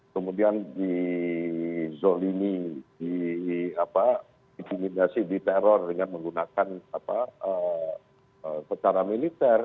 kemudian di zolini diimitasi di teror dengan menggunakan secara militer